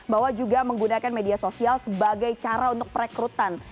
bahwa juga menggunakan media sosial sebagai cara untuk perekrutan